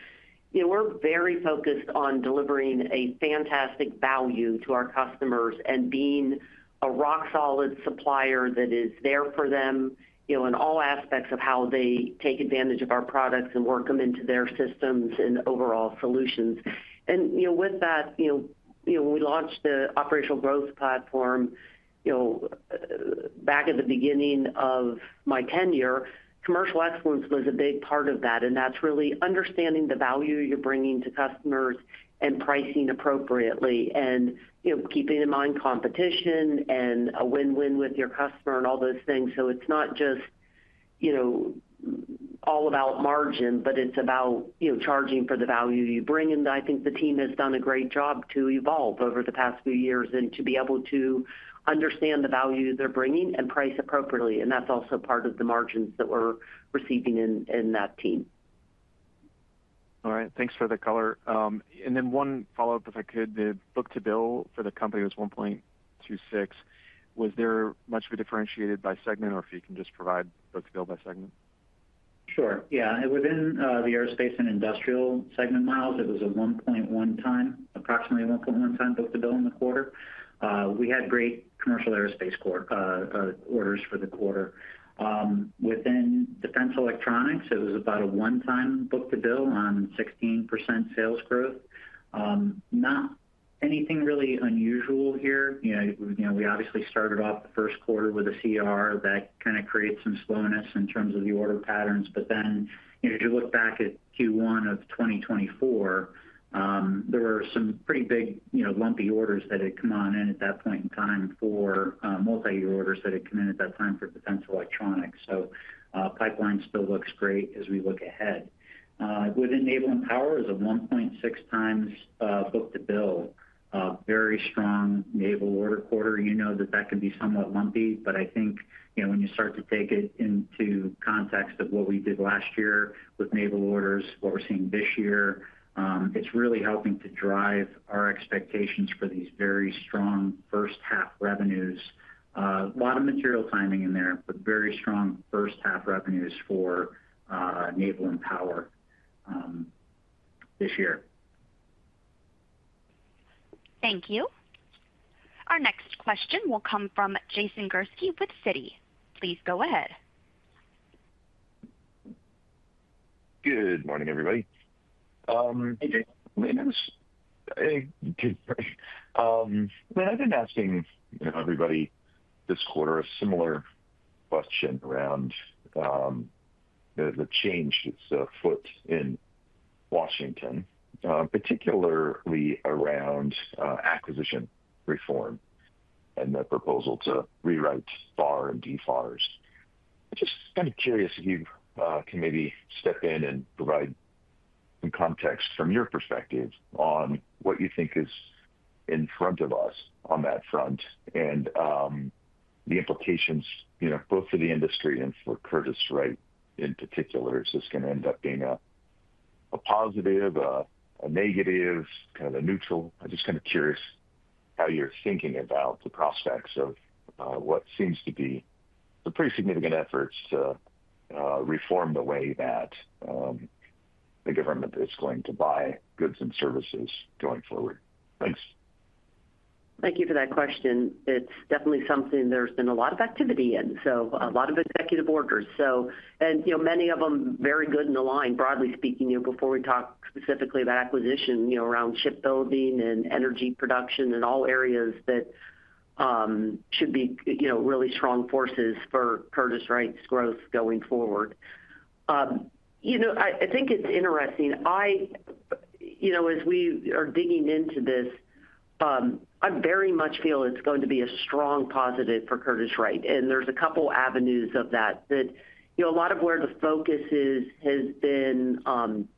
we're very focused on delivering a fantastic value to our customers and being a rock-solid supplier that is there for them in all aspects of how they take advantage of our products and work them into their systems and overall solutions. And with that, we launched the operational growth platform back at the beginning of my tenure. Commercial Excellence was a big part of that. That's really understanding the value you're bringing to customers and pricing appropriately and keeping in mind competition and a win-win with your customer and all those things. So it's not just all about margin, but it's about charging for the value you bring. And I think the team has done a great job to evolve over the past few years and to be able to understand the value they're bringing and price appropriately. And that's also part of the margins that we're receiving in that team. All right. Thanks for the color. And then one follow-up, if I could. The book-to-bill for the company was 1.26. Was there much of a differentiated by segment, or if you can just provide book-to-bill by segment? Sure. Yeah. Within the Aerospace and Industrial segment, Myles, it was a 1.1 time, approximately 1.1 time, book-to-bill in the quarter. We had great commercial aerospace orders for the quarter. Within Defense Electronics, it was about a one-time book-to-bill on 16% sales growth. Not anything really unusual here. We obviously started off the first quarter with a CR that kind of created some slowness in terms of the order patterns. But then as you look back at Q1 of 2024, there were some pretty big lumpy orders that had come on in at that point in time for multi-year orders that had come in at that time for Defense Electronics. So pipeline still looks great as we look ahead. Within Naval and Power, it was a 1.6 times book-to-bill, very strong naval order quarter. You know that that can be somewhat lumpy, but I think when you start to take it into context of what we did last year with naval orders, what we're seeing this year, it's really helping to drive our expectations for these very strong first-half revenues. A lot of material timing in there, but very strong first-half revenues for Naval and Power this year. Thank you. Our next question will come from Jason Gursky with Citi. Please go ahead. Good morning, everybody. Hey, Jason. I've been asking everybody this quarter a similar question around the change that's afoot in Washington, particularly around acquisition reform and the proposal to rewrite FAR and DFARS. I'm just kind of curious if you can maybe step in and provide some context from your perspective on what you think is in front of us on that front and the implications both for the industry and for Curtiss-Wright in particular. Is this going to end up being a positive, a negative, kind of a neutral? I'm just kind of curious how you're thinking about the prospects of what seems to be some pretty significant efforts to reform the way that the government is going to buy goods and services going forward. Thanks. Thank you for that question. It's definitely something there's been a lot of activity in, so a lot of executive orders. And many of them very good in the line, broadly speaking, before we talk specifically about acquisition around shipbuilding and energy production and all areas that should be really strong forces for Curtiss-Wright's growth going forward. I think it's interesting. As we are digging into this, I very much feel it's going to be a strong positive for Curtiss-Wright. And there's a couple of avenues of that. A lot of where the focus has been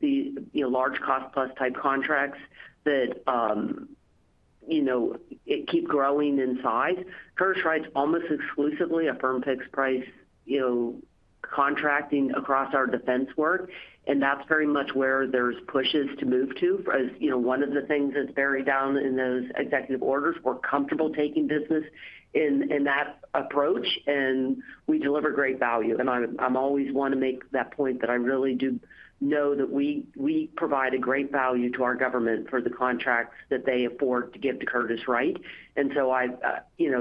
the large cost-plus type contracts that keep growing in size. Curtiss-Wright's almost exclusively a firm-fixed-price contracting across our defense work. And that's very much where there's pushes to move to. One of the things that's buried down in those executive orders, we're comfortable taking business in that approach, and we deliver great value. And I always want to make that point that I really do know that we provide a great value to our government for the contracts that they afford to give to Curtiss-Wright. And so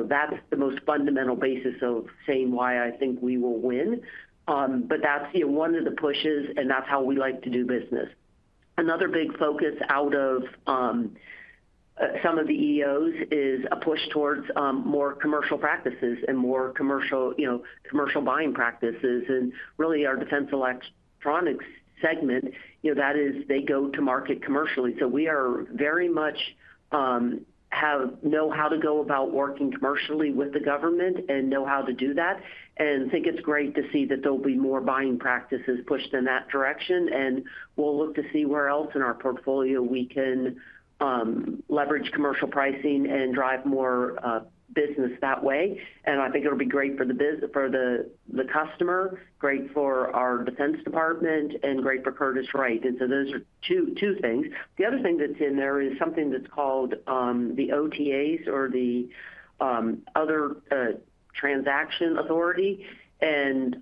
that's the most fundamental basis of saying why I think we will win. But that's one of the pushes, and that's how we like to do business. Another big focus out of some of the EOs is a push towards more commercial practices and more commercial buying practices. And really, our Defense Electronics segment, that is, they go to market commercially. So we very much know how to go about working commercially with the government and know how to do that. And I think it's great to see that there'll be more buying practices pushed in that direction. And we'll look to see where else in our portfolio we can leverage commercial pricing and drive more business that way. And I think it'll be great for the customer, great for our Defense Department, and great for Curtiss-Wright. And so those are two things. The other thing that's in there is something that's called the OTAs or the Other Transaction Authority. And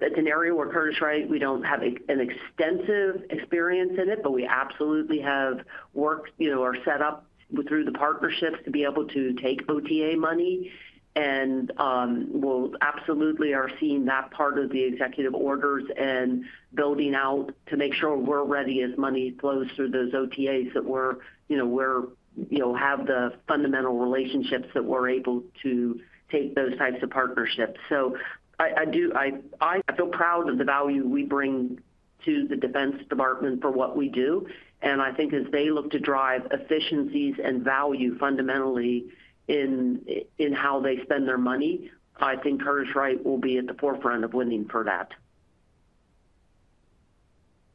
it's an area where Curtiss-Wright, we don't have an extensive experience in it, but we absolutely have worked or set up through the partnerships to be able to take OTA money. And we'll absolutely are seeing that part of the executive orders and building out to make sure we're ready as money flows through those OTAs that we have the fundamental relationships that we're able to take those types of partnerships. So I feel proud of the value we bring to the Defense Department for what we do. And I think as they look to drive efficiencies and value fundamentally in how they spend their money, I think Curtiss-Wright will be at the forefront of winning for that.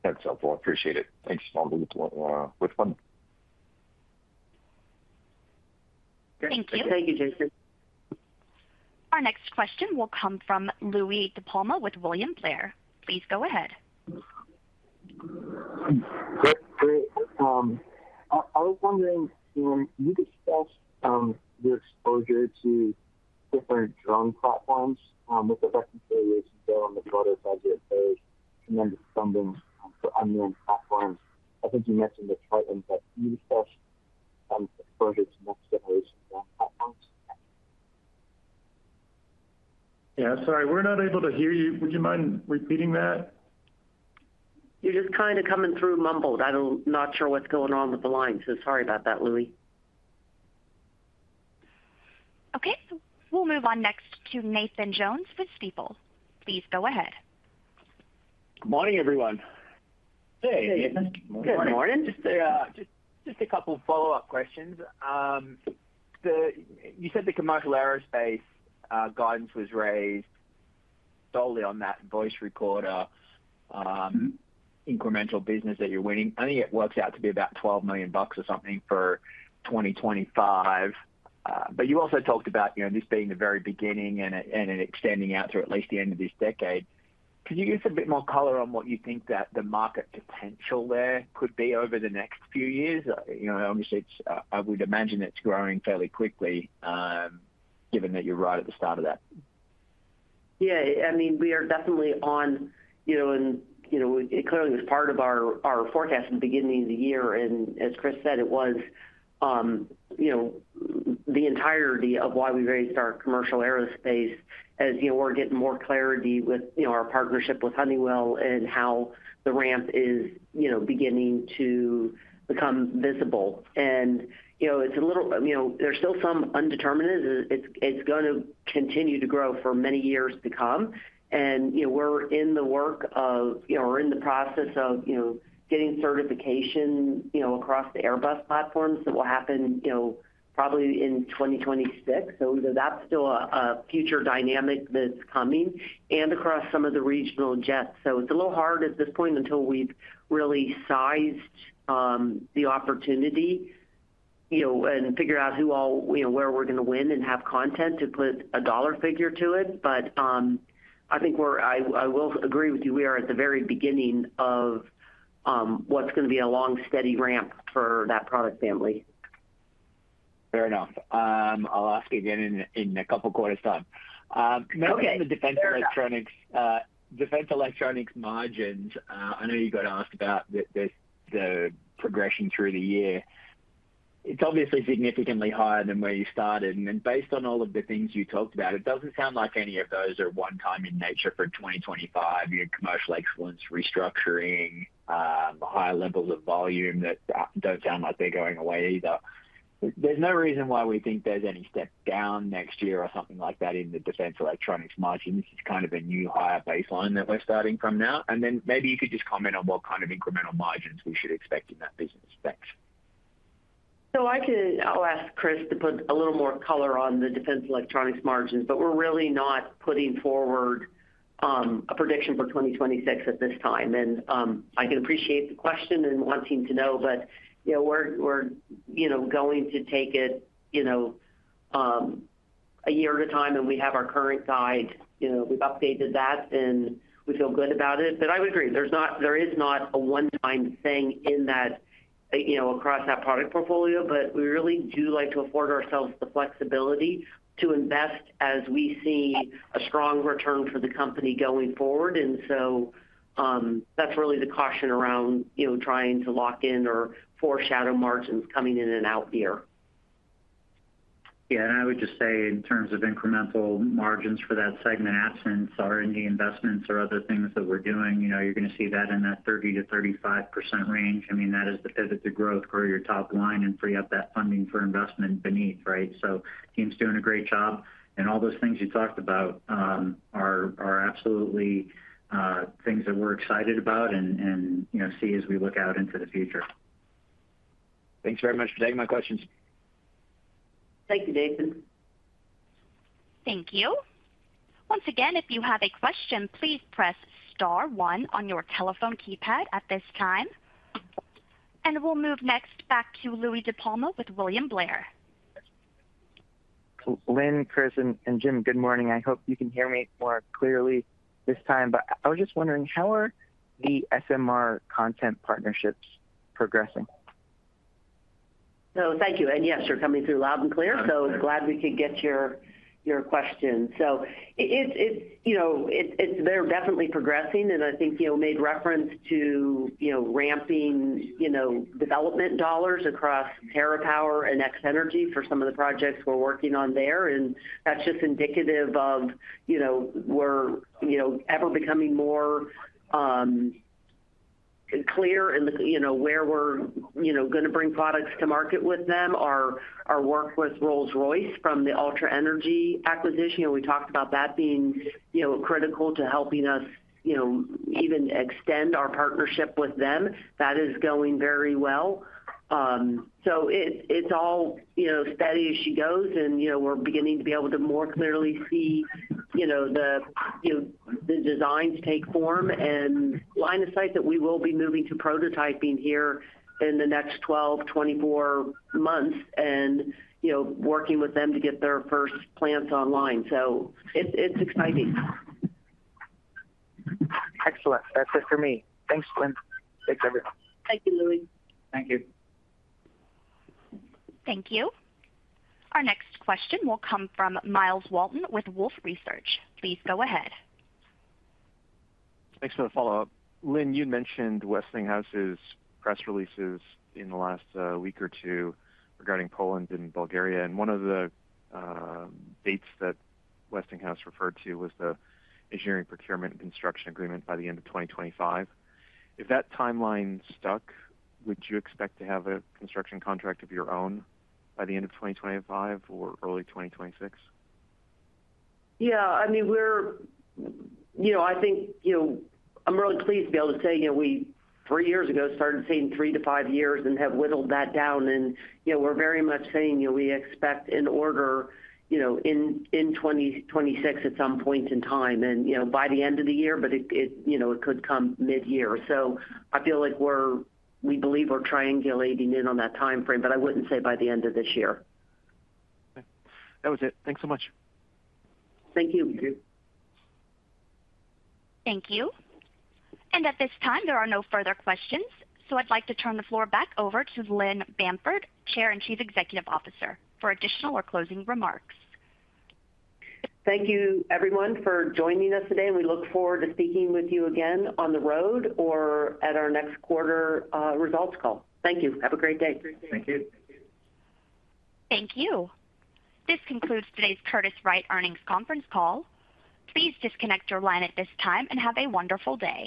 That's helpful. I appreciate it. Thanks, Myles Walton with Wolfe. Thank you. Thank you, Jason. Our next question will come from Louie DiPalma with William Blair. Please go ahead. Great. I was wondering, you discussed your exposure to different drone platforms with the budget evaluations done on the broader FPGA code and then the funding for unmanned platforms. I think you mentioned the Triton, but can you discuss exposure to next-generation drone platforms? Yeah. Sorry, we're not able to hear you. Would you mind repeating that? You're just kind of coming through mumbled. I'm not sure what's going on with the line. So sorry about that, Louie. Okay. We'll move on next to Nathan Jones with Stifel. Please go ahead. Good morning, everyone. Hey. Hey, Nathan. Good morning. Good morning. Just a couple of follow-up questions. You said the commercial aerospace guidance was raised solely on that voice recorder incremental business that you're winning. I think it works out to be about $12 million or something for 2025. But you also talked about this being the very beginning and extending out through at least the end of this decade. Could you give us a bit more color on what you think that the market potential there could be over the next few years? Obviously, I would imagine it's growing fairly quickly given that you're right at the start of that. Yeah. I mean, we are definitely on, and it clearly was part of our forecast at the beginning of the year. As Chris said, it was the entirety of why we raised our commercial aerospace as we're getting more clarity with our partnership with Honeywell and how the ramp is beginning to become visible. And it's a little. There's still some undetermined. It's going to continue to grow for many years to come. And we're in the process of getting certification across the Airbus platforms that will happen probably in 2026. So that's still a future dynamic that's coming and across some of the regional jets. So it's a little hard at this point until we've really sized the opportunity and figured out where we're going to win and have content to put a dollar figure to it. But I think I will agree with you. We are at the very beginning of what's going to be a long, steady ramp for that product family. Fair enough. I'll ask you again in a couple of quarters' time. Now, in the Defense Electronics margins, I know you got asked about the progression through the year. It's obviously significantly higher than where you started, and based on all of the things you talked about, it doesn't sound like any of those are one-time in nature for 2025. Your Commercial Excellence restructuring, higher levels of volume that don't sound like they're going away either. There's no reason why we think there's any step down next year or something like that in the Defense Electronics margin. This is kind of a new higher baseline that we're starting from now, and then maybe you could just comment on what kind of incremental margins we should expect in that business? Thanks. So I'll ask Chris to put a little more color on the Defense Electronics margins, but we're really not putting forward a prediction for 2026 at this time. And I can appreciate the question and wanting to know, but we're going to take it a year at a time, and we have our current guide. We've updated that, and we feel good about it. But I would agree. There is not a one-time thing across that product portfolio, but we really do like to afford ourselves the flexibility to invest as we see a strong return for the company going forward. And so that's really the caution around trying to lock in or foreshadow margins coming in and out here. Yeah. And I would just say in terms of incremental margins for that segment, absence or any investments or other things that we're doing, you're going to see that in that 30%-35% range. I mean, that is the pivot to growth, grow your top line, and free up that funding for investment beneath, right? So teams doing a great job. And all those things you talked about are absolutely things that we're excited about and see as we look out into the future. Thanks very much for taking my questions. Thank you, Jason. Thank you. Once again, if you have a question, please press star one on your telephone keypad at this time. And we'll move next back to Louie DiPalma with William Blair. Lynn, Chris, and Jim, good morning. I hope you can hear me more clearly this time, but I was just wondering, how are the SMR content partnerships progressing? No, thank you. And yes, you're coming through loud and clear, so glad we could get your question. So they're definitely progressing, and I think you made reference to ramping development dollars across TerraPower and X-energy for some of the projects we're working on there. And that's just indicative of we're ever becoming more clear in where we're going to bring products to market with them. Our work with Rolls-Royce from the Ultra Energy acquisition, we talked about that being critical to helping us even extend our partnership with them. That is going very well. So it's all steady as she goes, and we're beginning to be able to more clearly see the designs take form and line of sight that we will be moving to prototyping here in the next 12-24 months and working with them to get their first plants online. So it's exciting. Excellent. That's it for me. Thanks, Lynn. Thanks, everyone. Thank you, Louie. Thank you. Thank you. Our next question will come from Myles Walton with Wolfe Research. Please go ahead. Thanks for the follow-up. Lynn, you mentioned Westinghouse's press releases in the last week or two regarding Poland and Bulgaria. And one of the dates that Westinghouse referred to was the engineering procurement and construction agreement by the end of 2025. If that timeline stuck, would you expect to have a construction contract of your own by the end of 2025 or early 2026? Yeah. I mean, I think I'm really pleased to be able to say we three years ago started seeing three to five years and have whittled that down. And we're very much saying we expect in order in 2026 at some point in time and by the end of the year, but it could come mid-year. So I feel like we believe we're triangulating in on that timeframe, but I wouldn't say by the end of this year. Okay. That was it. Thanks so much. Thank you. Thank you. And at this time, there are no further questions. So I'd like to turn the floor back over to Lynn Bamford, Chair and Chief Executive Officer, for additional or closing remarks. Thank you, everyone, for joining us today, and we look forward to speaking with you again on the road or at our next quarter results call. Thank you. Have a great day. Thank you. This concludes today's Curtiss-Wright earnings conference call. Please disconnect your line at this time and have a wonderful day.